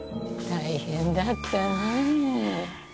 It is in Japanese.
大変だったねえ。